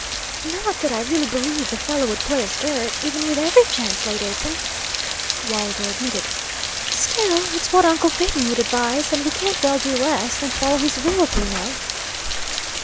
"Not that I really believe the fellow would play us dirt, even with every chance laid open," Waldo admitted. "Still, it's what uncle Phaeton would advise, and we can't well do less than follow his will, Bruno."